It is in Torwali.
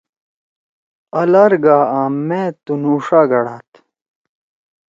آ لار گا آں مأ تُںںو ݜا گھڑاد۔